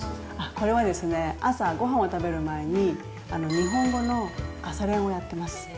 これはですね、朝、ごはんを食べる前に、日本語の朝練をやってます。